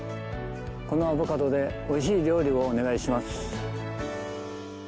このアボカドで美味しい料理をお願いします。